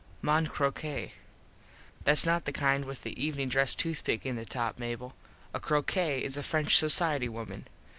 _ Mon Croquette: Thats not the kind with the evenin dress tooth pick in the top, Mable. A croquette is a French society woman.